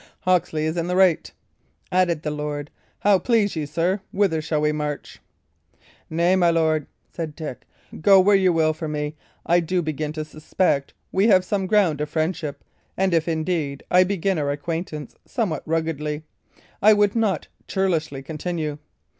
"Hawksley is in the right," added the lord. "How please ye, sir? Whither shall we march?" "Nay, my lord," said Dick, "go where ye will for me. I do begin to suspect we have some ground of friendship, and if, indeed, I began our acquaintance somewhat ruggedly, I would not churlishly continue.